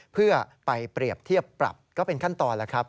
เพื่อไปเปรียบเทียบปรับก็เป็นขั้นตอนแล้วครับ